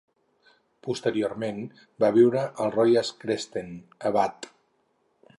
Posteriorment va viure al Royal Crescent a Bath.